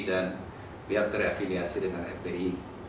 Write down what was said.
dan pihak terefiliasi dengan fpi